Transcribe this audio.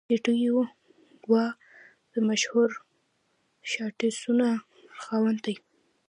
سټیو وا د مشهور شاټسونو خاوند دئ.